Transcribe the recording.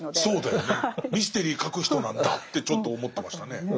そうだよねミステリー書く人なんだってちょっと思ってましたね。